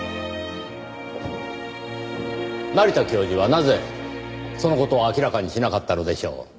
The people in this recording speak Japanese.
成田教授はなぜその事を明らかにしなかったのでしょう？